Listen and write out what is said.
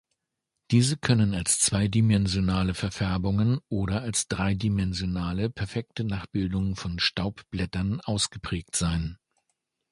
Diese können als zweidimensionale Verfärbungen oder als dreidimensionale perfekte Nachbildungen von Staubblättern ausgeprägt sein.